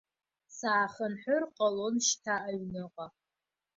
Саахынҳәыр ҟалон шьҭа аҩныҟа.